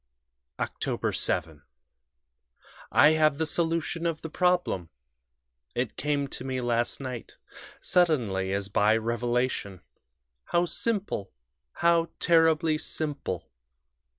"Oct. 7. I have the solution of the problem; it came to me last night suddenly, as by revelation. How simple how terribly simple!